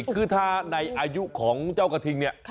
คือถ้าในอายุของเจ้ากระทิงเนี่ย